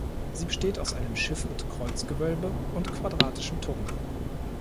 Sie besteht aus einem Schiff mit Kreuzgewölbe und quadratischem Turm.